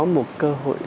một cơ hội